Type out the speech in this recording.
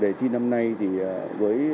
đề thi năm nay thì với